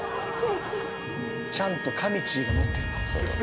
「ちゃんとかみちぃが持ってるわ」